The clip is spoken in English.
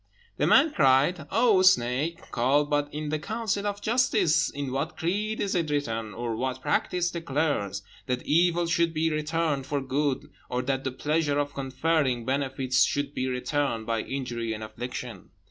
The man cried, "O snake, call but in the counsel of justice; in what creed is it written, or what practice declares, that evil should be returned for good, or that the pleasure of conferring benefits should be returned by injury and affliction?"